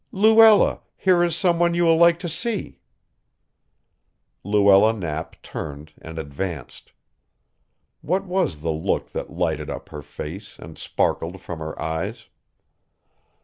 "Luella, here is some one you will like to see." Luella Knapp turned and advanced. What was the look that lighted up her face and sparkled from her eyes?